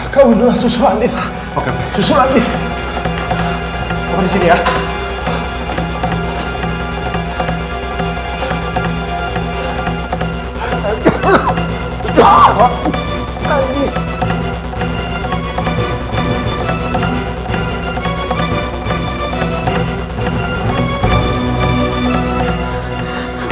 kamu duluan susul andi pak